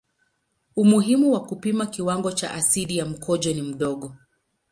Umuhimu wa kupima kiwango cha asidi ya mkojo ni mdogo.